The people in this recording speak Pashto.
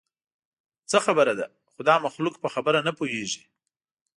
څه خبره ده؟ خو دا مخلوق په خبره نه پوهېږي.